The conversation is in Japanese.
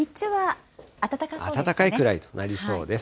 暖かいくらいとなりそうです。